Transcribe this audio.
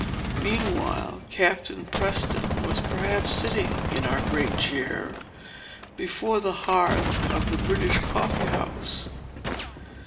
Meanwhile, Captain Preston was perhaps sitting in our great chair, before the hearth of the British Coffee House.